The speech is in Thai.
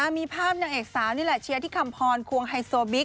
มีภาพนางเอกสาวนี่แหละเชียร์ที่คำพรควงไฮโซบิ๊ก